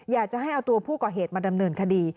อยากจะให้เอาตัวผู้ก่อเหตุมาดำเนินคดี